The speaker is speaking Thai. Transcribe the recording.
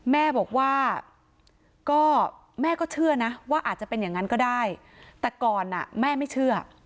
แม่บอกว่าก็แม่ก็เชื่อนะว่าอาจจะเป็นอย่างนั้นก็ได้แต่ก่อนแม่ไม่เชื่อ